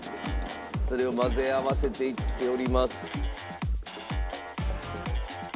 それを混ぜ合わせていっております。